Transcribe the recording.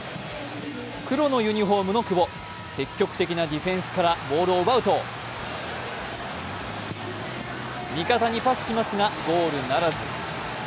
黒のユニフォームの久保、積極的なディフェンスからボールを奪うと味方にパスしますがゴールならず。